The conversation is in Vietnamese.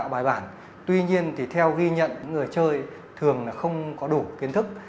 báo liên tục